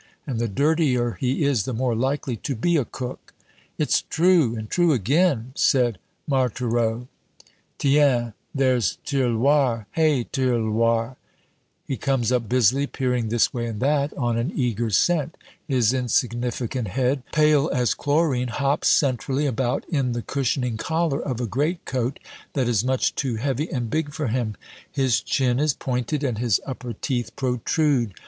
And the dirtier he is, the more likely to be a cook." "It's true, and true again," said Marthereau. "Tiens, there's Tirloir! Hey, Tirloir!" He comes up busily, peering this way and that, on an eager scent. His insignificant head, pale as chlorine, hops centrally about in the cushioning collar of a greatcoat that is much too heavy and big for him. His chin is pointed, and his upper teeth protrude.